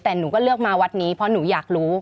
แต่หนูก็เลือกมาวัดนี้เพราะหนูอยากรู้